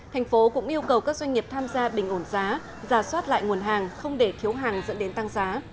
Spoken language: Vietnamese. thành phố cũng yêu cầu các doanh nghiệp tham gia bình ổn giá giả soát lại nguồn hàng không để thiếu hàng dẫn đến tăng giá